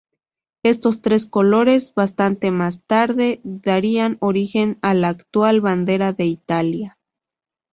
Estos tres colores, bastante más tarde, darían origen a la actual bandera de Italia.